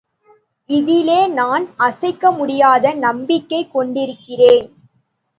இதிலே நான் அசைக்கமுடியாத நம்பிக்கை கொண்டிருக்கிறேன்.